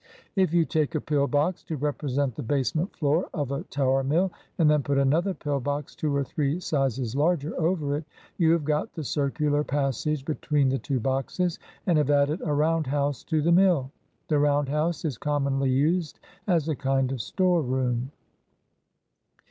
If you take a pill box to represent the basement floor of a tower mill, and then put another pill box two or three sizes larger over it, you have got the circular passage between the two boxes, and have added a round house to the mill. The round house is commonly used as a kind of store room.